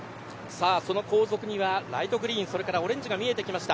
その後続にはライトグリーンオレンジが見えてきました。